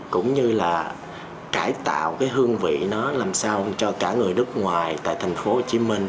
cũng như là cải tạo cái hương vị nó làm sao cho cả người nước ngoài tại thành phố hồ chí minh